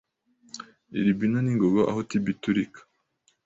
Urbino n'ingogo aho Tiber iturika